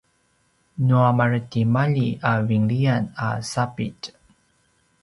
nua maretimalji a vinlian a sapitj